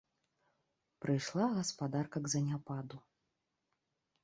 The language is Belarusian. Прыйшла гаспадарка к заняпаду.